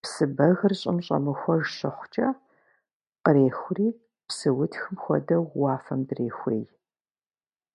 Псы бэгыр щӀым щӀэмыхуэж щыхъукӀэ, кърехури, псыутхым хуэдэу уафэм дрехуей.